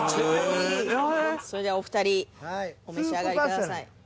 それではお二人お召し上がりください。